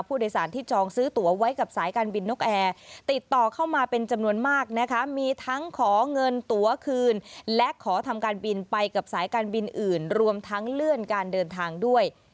พร้อมทั้งเลื่อนการเดินทางด้วย